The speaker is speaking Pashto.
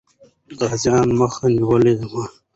غازيان مخه نیولې وه.